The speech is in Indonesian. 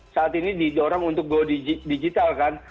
saat ini didorong untuk go digital kan